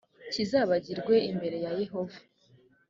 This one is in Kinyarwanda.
kizabagirwe imbere ya yehova